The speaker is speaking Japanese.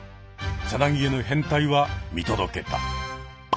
さなぎへの変態は見届けた！